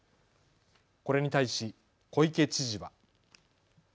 これに対し小池知事は。